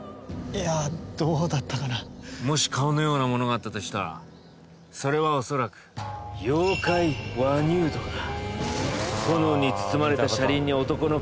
いやどうだったかなもし顔のようなものがあったとしたらそれは恐らく妖怪輪入道だ